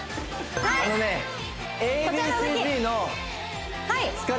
はいこちらの動き